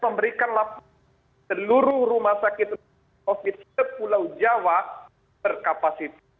memberikan laporan seluruh rumah sakit covid sepulau jawa berkapasitas